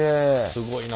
すごいな。